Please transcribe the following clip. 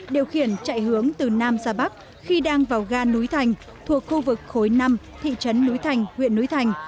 điều khiển chạy hướng từ nam ra bắc khi đang vào ga núi thành thuộc khu vực khối năm thị trấn núi thành huyện núi thành